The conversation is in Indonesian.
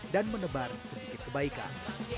dan menebar sedikit kebaikan